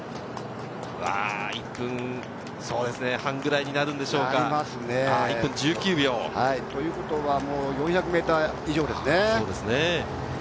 １分半ぐらいになるでしょうか、１分１９秒。ということは４００ｍ以上ですね。